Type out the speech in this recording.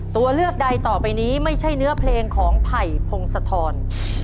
ตัวเลือกใดต่อไปนี้ไม่ใช่เนื้อเพลงของไผ่พงศธร